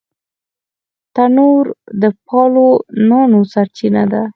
تنور د پالو نانو سرچینه ده